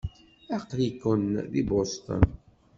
Aql-iken deg Boston.